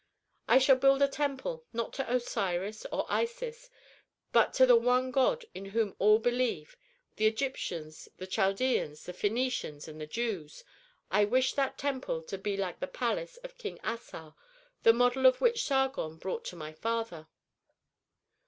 I shall build a temple, not to Osiris or Isis, but to the One God in whom all believe: the Egyptians, the Chaldeans, the Phœnicians, and the Jews. I wish that temple to be like the palace of King Assar, the model of which Sargon brought to my father."